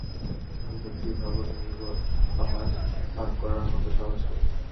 তুমি কি সত্যিই ভাবো, তুমি এই পাহাড় পার করার মতো সাহসী?